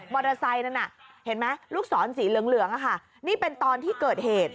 ไซค์นั้นน่ะเห็นไหมลูกศรสีเหลืองนี่เป็นตอนที่เกิดเหตุ